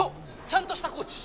ちゃんとしたコーチ。